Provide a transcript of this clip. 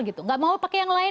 tidak mau pakai yang lain